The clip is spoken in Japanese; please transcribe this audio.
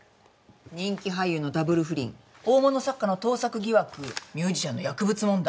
人気俳優のダブル不倫大物作家の盗作疑惑ミュージシャンの薬物問題。